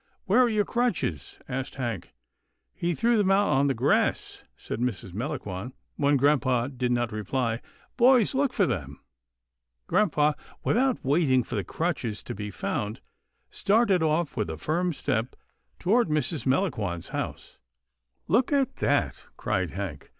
" Where are your crutches ?" asked Hank. " He threw them out on the grass," said Mrs. Melangon, when grampa did not reply, " boys, look for them." Grampa, without waiting for the crutches to be found, started off with a firm step toward Mrs. Melangon's house. " Look at that," cried Hank.